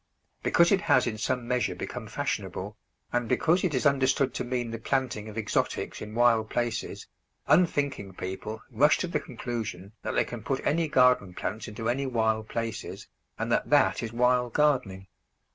Because it has in some measure become fashionable, and because it is understood to mean the planting of exotics in wild places, unthinking people rush to the conclusion that they can put any garden plants into any wild places, and that that is wild gardening.